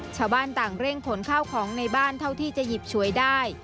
ชาวบ้านต่างเร่งขนข้าวของในบ้านเท่าที่จะหยิบฉวยได้